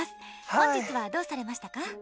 本日はどうされましたか？